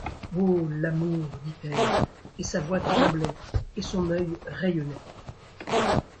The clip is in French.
Oh ! l’amour ! dit-elle, et sa voix tremblait, et son œil rayonnait.